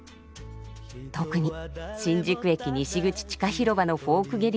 特に新宿駅西口地下広場のフォーク